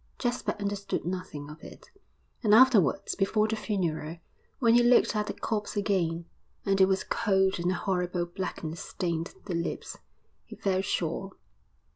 Jasper understood nothing of it. And afterwards, before the funeral, when he looked at the corpse again, and it was cold and a horrible blackness stained the lips, he felt sure.